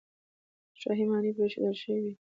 شاهي ماڼۍ پرېښودل شوې وې.